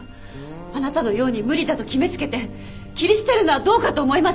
あなたのように無理だと決め付けて切り捨てるのはどうかと思います。